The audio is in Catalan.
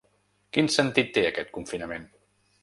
Quin sentit té aquest confinament?